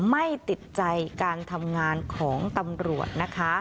ไม่ติดใจการทำงานของตำรวจนะคะ